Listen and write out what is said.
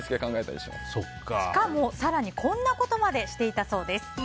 しかも更にこんなことまでしていたそうです。